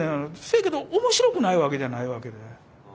せやけど面白くないわけじゃないわけね。